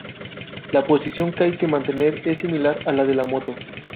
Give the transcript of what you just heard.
La posición que hay que mantener es similar a la de la moto.